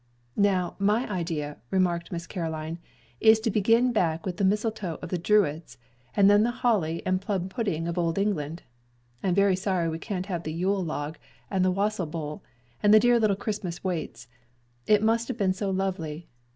"Now, my idea," remarked Miss Caroline, "is to begin back with the mistletoe of the Druids, and then the holly and plum pudding of old England. I'm sorry we can't have the Yule log and the wassail bowl and the dear little Christmas waits. It must have been so lovely.